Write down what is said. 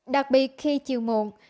đặc biệt khi chiều muộn